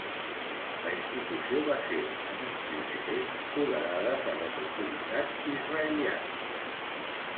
La institució va ser en un primer temps tolerada per les autoritats israelianes.